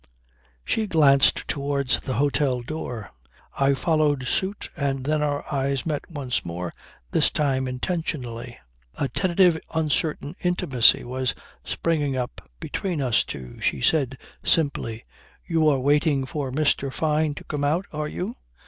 She glanced towards the hotel door again; I followed suit and then our eyes met once more, this time intentionally. A tentative, uncertain intimacy was springing up between us two. She said simply: "You are waiting for Mr. Fyne to come out; are you?"